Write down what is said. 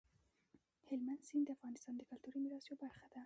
هلمند سیند د افغانستان د کلتوري میراث یوه برخه ده.